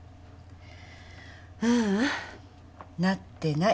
ううんなってない。